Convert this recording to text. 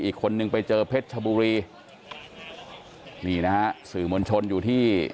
อีกคนนึงไปเจอเพชรชบุรีนี่นะฮะสื่อมวลชนอยู่ที่